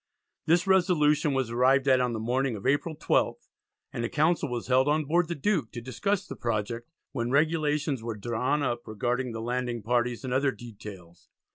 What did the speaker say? This resolution was arrived at on the morning of April 12th and a council was held on board the Duke to discuss the project, when regulations were drawn up regarding the landing parties and other details.